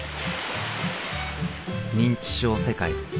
「認知症世界」。